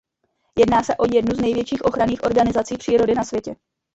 Jedná se o jednu z největších ochranných organizací přírody na světě.